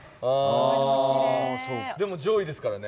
でも上位ですからね。